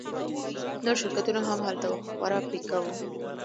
نور شرکتونه هم هلته وو خو خورا پیکه وو